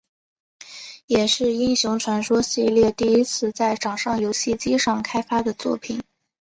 也是英雄传说系列第一次在掌上游戏机上开发的作品。